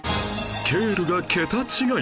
スケールが桁違い